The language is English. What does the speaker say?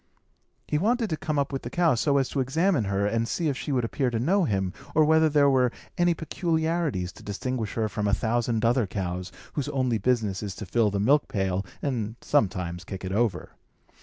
He wanted to come up with the cow, so as to examine her, and see if she would appear to know him, or whether there were any peculiarities to distinguish her from a thousand other cows, whose only business is to fill the milk pail, and sometimes kick it over.